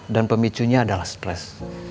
dan pemicunya adalah stres